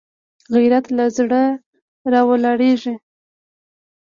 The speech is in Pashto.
غیرت له زړه راولاړېږي